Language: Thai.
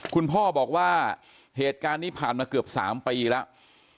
คุณพ่อบอกว่าเหตุการณ์นี้ผ่านมาเกือบ๓ปีแล้ว